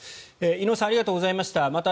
井上さんありがとうございました。